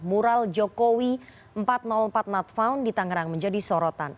mural jokowi empat ratus empat not found ditangerang menjadi sorotan